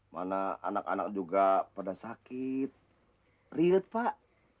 mana anak anak juga pada sakit real pak